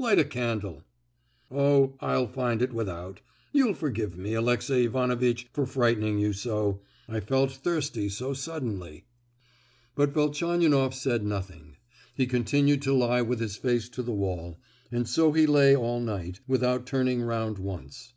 Light a candle." "Oh, I'll find it without. You'll forgive me, Alexey Ivanovitch, for frightening you so; I felt thirsty so suddenly." But Velchaninoff said nothing. He continued to lie with his face to the wall, and so he lay all night, without turning round once.